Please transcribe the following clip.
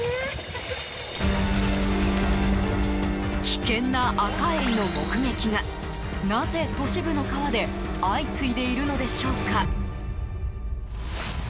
危険なアカエイの目撃がなぜ、都市部の川で相次いでいるのでしょうか。